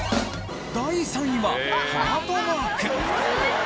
第３位はハートマーク。